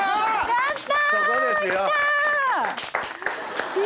やった！